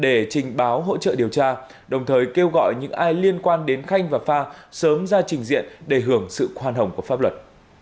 để trình báo hỗ trợ điều tra đồng thời kêu gọi những ai liên quan đến khanh và pha sớm ra trình diện để hưởng sự khoan hồng của pháp luật